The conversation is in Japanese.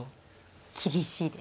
厳しいです。